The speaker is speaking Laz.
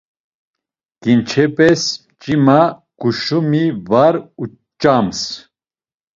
Ǩinçepes mç̌ima, ǩuşumi var unç̌ams.